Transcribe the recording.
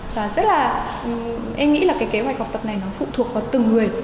và rất là em nghĩ là cái kế hoạch học tập này nó phụ thuộc vào từng người